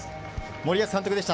森保監督でした。